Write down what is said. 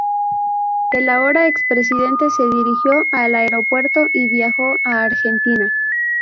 El ahora ex presidente se dirigió al aeropuerto y viajó a Argentina.